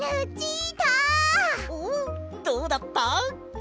おおどうだった？